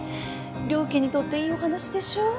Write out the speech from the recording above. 両家にとっていいお話でしょ。